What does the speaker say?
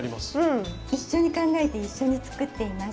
一緒に考えて一緒に作っています。